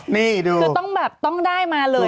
นี่ดูคือต้องแบบต้องได้มาเลย